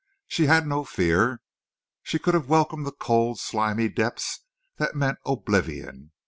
She had no fear. She could have welcomed the cold, slimy depths that meant oblivion.